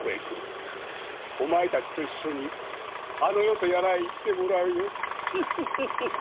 お前たちと一緒にあの世とやらへ行ってもらうよ。